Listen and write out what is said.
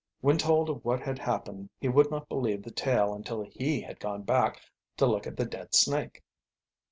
When told of what had happened he would not believe the tale until he had gone back to look at the dead snake.